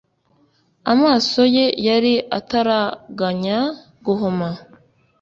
amaso ye yari ataraganya guhuma,